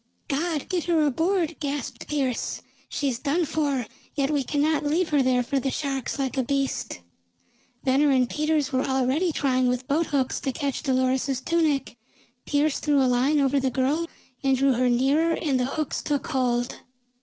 "God! Get her aboard!" gasped Pearse. "She's done for. Yet we cannot leave her there for the sharks, like a beast!" Venner and Peters were already trying with boat hooks to catch Dolores's tunic. Pearse threw a line over the girl and drew her nearer and the hooks took hold.